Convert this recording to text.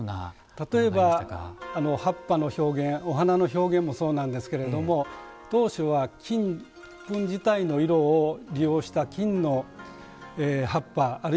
例えば葉っぱの表現お花の表現もそうなんですけれども当初は金粉自体の色を利用した金の葉っぱあるいは花があるわけですけれども。